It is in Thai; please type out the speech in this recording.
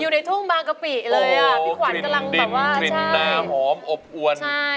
ดินกลิ่นนาหอมอบอวน